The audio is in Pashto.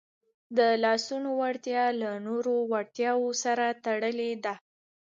د لاسونو وړتیا له نورو وړتیاوو سره تړلې ده.